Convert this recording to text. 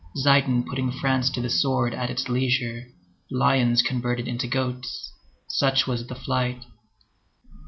Zieten putting France to the sword at its leisure. Lions converted into goats. Such was the flight.